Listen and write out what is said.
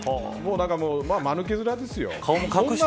まあ、まぬけ面ですよ。